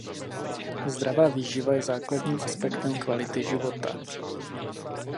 Zdravá výživa je základním aspektem kvality života.